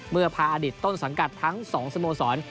เมื่อพาอดิตต้นสังกัดทั้ง๒สมสรรค์